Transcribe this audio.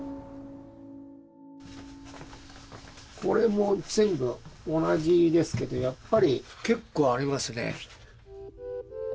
これも全部同じですけどやっぱり結構ありますね。